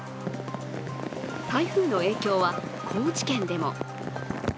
台風の影響は高知県でも。